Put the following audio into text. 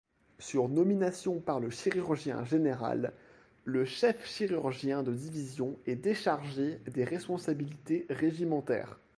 Sur nomination par le chirurgien-général, le chef-chirurgien de division est déchargé des responsabilités régimentaires.